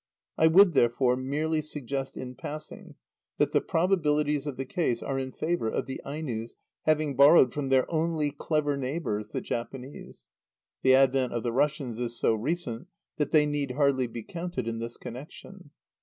I would, therefore, merely suggest in passing that the probabilities of the case are in favour of the Ainos having borrowed from their only clever neighbours, the Japanese. (The advent of the Russians is so recent that they need hardly be counted in this connection.)